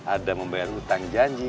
ada membayar hutang janji